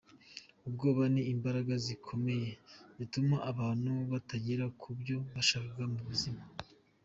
Ubwoba ni imbaraga zikomeye zituma abantu batagera ku byo bashaka mu buzima.